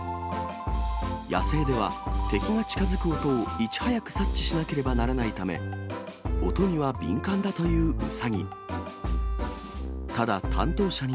野生では、敵が近づく音をいち早く察知しなければならないため、音には敏感だというウサギ。